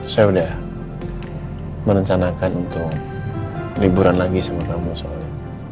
saya udah merencanakan untuk liburan lagi sama kamu soalnya